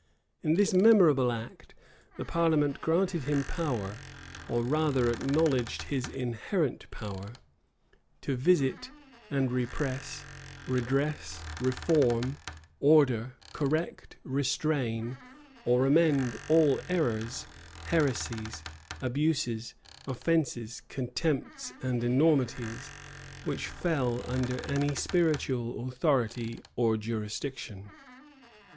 In this memorable act, the parliament granted him power, or rather acknowledged his inherent power, "to visit, and repress, redress, reform, order, correct, restrain, or amend all errors, heresies, abuses, offences, contempts, and enormities, which fell under any spiritual authority or jurisdiction."